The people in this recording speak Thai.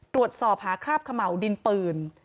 ตรวจสอบหาคราบเขม่าวดินปืน